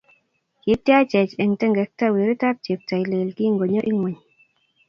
Kityachech eng tengekto weritab cheptailel kingonyo ingweny